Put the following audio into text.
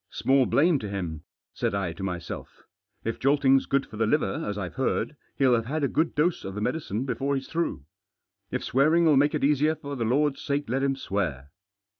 "Small blame to him," said I to myself. "If jolting's good for the liver, as IVe heard, he'll have had a good dose of the medicine before he's through. If swearing '11 make it easier, for the Lord's sake let him swear."